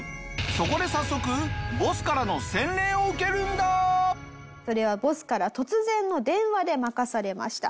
そこで早速それはボスから突然の電話で任されました。